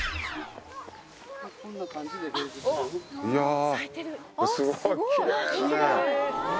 いや。